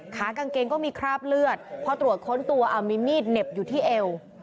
ขากางเกงก็มีคราบเลือดพอตรวจค้นตัวมีมีดเหน็บอยู่ที่เอว